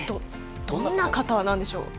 どんな方なんでしょう？